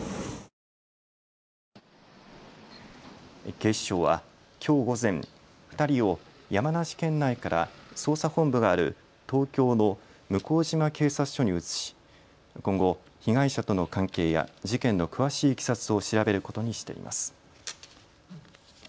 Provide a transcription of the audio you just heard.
警視庁はきょう午前、２人を山梨県内から捜査本部がある東京の向島警察署に移し今後、被害者との関係や事件の詳しいいきさつを調べることにしています。